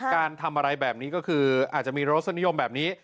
การทำอะไรแบบนี้ก็คืออาจจะมีรสนิยมแบบนี้